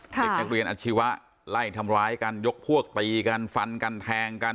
เด็กนักเรียนอาชีวะไล่ทำร้ายกันยกพวกตีกันฟันกันแทงกัน